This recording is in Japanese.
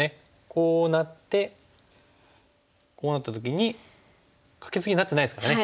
こうなってこうなった時にカケツギになってないですからね。